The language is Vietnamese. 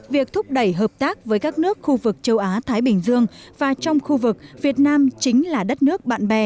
việc thúc đẩy hợp tác với các nước khu vực châu á thái bình dương và trong khu vực việt nam chính là đất nước bạn bè